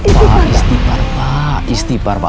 pak istimewa pak istimewa pak